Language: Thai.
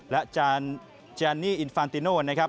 และเจนนี่อินฟานติโน่นะครับ